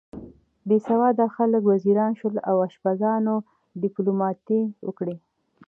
بې سواده خلک وزیران شول او اشپزانو دیپلوماتۍ وکړه.